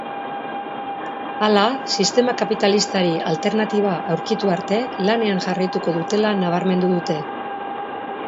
Hala, sistema kapitalistari alternatiba aurkitu arte lanean jarraituko dutela nabarmendu dute.